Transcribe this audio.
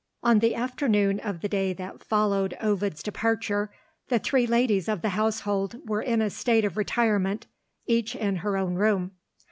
On the afternoon of the day that followed Ovid's departure, the three ladies of the household were in a state of retirement each in her own room.